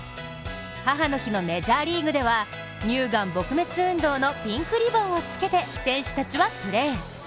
母の日のメジャーリーグでは乳がん撲滅運動のピンクリボンをつけて選手たちはプレー。